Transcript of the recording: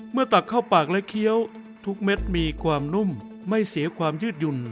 ตักเข้าปากและเคี้ยวทุกเม็ดมีความนุ่มไม่เสียความยืดหยุ่น